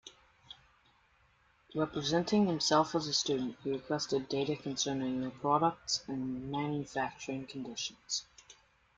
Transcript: Representing himself as a student, he requested data concerning their products and manufacturing conditions.